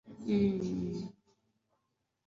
Mmmh! Kwani umeleta chakula kingi namna gani!